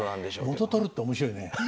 元取るって面白いね。